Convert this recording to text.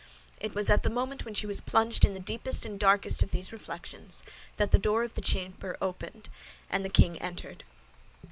It was at the moment when she was plunged in the deepest and darkest of these reflections that the door of the chamber opened, and the king entered.